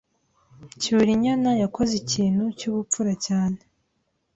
Cyrinyana yakoze ikintu cyubupfu cyane.